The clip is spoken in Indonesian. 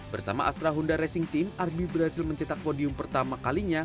bersama astra honda racing team arbi berhasil mencetak podium pertama kalinya